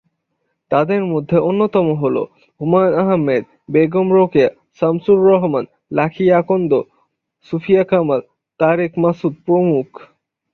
তাদের মধ্যে অন্যতম হলো: হুমায়ুন আহমেদ, বেগম রোকেয়া, শামসুর রহমান, লাকী আখন্দ, সুফিয়া কামাল, তারেক মাসুদ প্রমুখ।